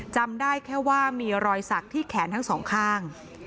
จำได้แค่ว่ามีรอยสักที่แขนทั้งสองข้าง